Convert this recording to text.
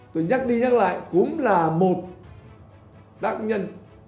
tôi nhắc đi nhắc lại cũng là một tác nhân